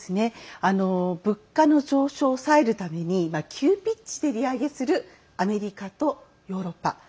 物価の上昇を抑えるために急ピッチで利上げするアメリカとヨーロッパ。